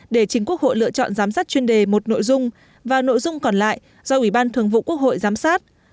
để chính quốc hội lựa chọn giám sát chuyên đề một nội dung và nội dung còn lại do ủy ban thường vụ quốc hội giám sát